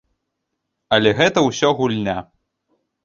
Але гэта ўсё гульня.